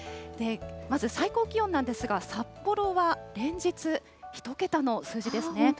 まず、最高気温なんですが、札幌は連日１桁の数字ですね。